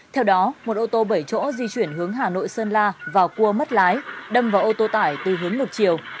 theo đó một ô tô bảy chỗ di chuyển hướng hà nội sơn la vào cua mất lái đâm vào ô tô tải từ hướng ngược chiều